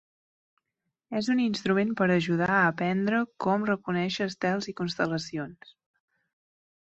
És un instrument per ajudar a aprendre com reconèixer estels i constel·lacions.